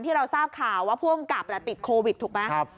ที่เราทราบข่าวว่าผู้กำกับติดโควิดถูกไหม